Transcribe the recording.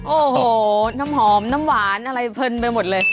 โอ้โหน้ำหอมน้ำหวานอะไรเพลินไปหมดเลย